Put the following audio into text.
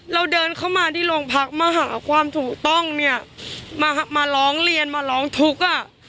เราเดินเข้ามาที่โรงพักมาหาความถูกต้องเนี่ยมาร้องเรียนมาร้องทุกข์อ่ะ